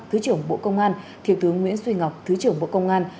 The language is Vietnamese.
thứ trưởng bộ công an thiều tướng nguyễn xuây ngọc thứ trưởng bộ công an